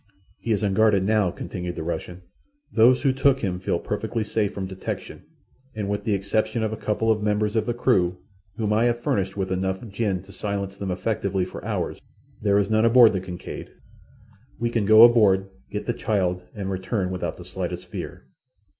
"He is unguarded now," continued the Russian. "Those who took him feel perfectly safe from detection, and with the exception of a couple of members of the crew, whom I have furnished with enough gin to silence them effectually for hours, there is none aboard the Kincaid. We can go aboard, get the child, and return without the slightest fear."